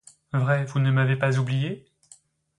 Vrai, vous ne m'avez pas oublié?